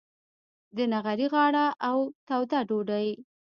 د نغري غاړه او توده ډوډۍ.